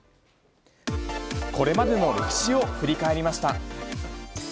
これまでの歴史を振り返りました。